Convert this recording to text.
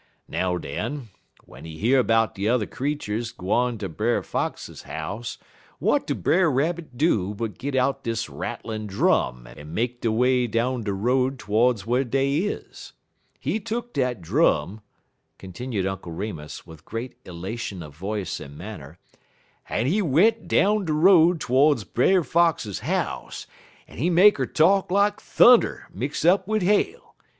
"Now, den, w'en he year 'bout de yuther creeturs gwine ter Brer Fox house, w'at do Brer Rabbit do but git out dis rattlin' drum en make de way down de road todes whar dey is. He tuk dat drum," continued Uncle Remus, with great elation of voice and manner, "en he went down de road todes Brer Fox house, en he make 'er talk like thunner mix up wid hail.